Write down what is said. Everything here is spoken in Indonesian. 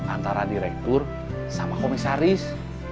antara direktur sama komisaris